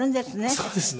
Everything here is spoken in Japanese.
そうですね。